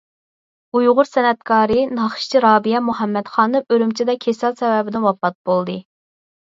ئۇيغۇر سەنئەتكارى، ناخشىچى رابىيە مۇھەممەد خانىم ئۈرۈمچىدە كېسەل سەۋەبىدىن ۋاپات بولدى.